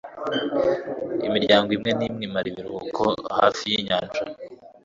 imiryango imwe n'imwe imara ibiruhuko hafi yinyanja